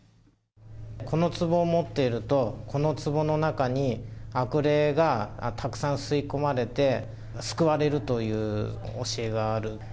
このつぼを持っていると、このつぼの中に悪霊がたくさん吸い込まれて、救われるという教えがある。